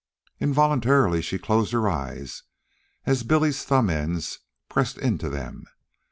Involuntarily she closed her eyes as Billy's thumb ends pressed into them.